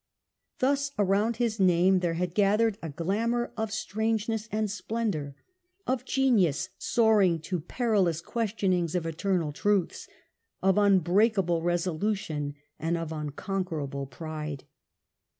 Thus around his name there had gathered a glamour of strangeness and splendour, of genius soaring to perilous questionings of eternal truths, of unbreakable resolution and of unconquerable pride.